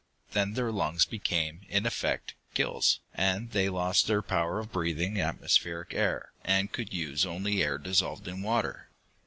Then their lungs became, in effect, gills, and they lost their power of breathing atmospheric air, and could use only air dissolved in water.